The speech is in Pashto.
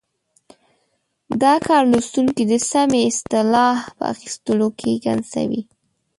دا کار لوستونکی د سمې اصطلاح په اخیستلو کې ګنګسوي.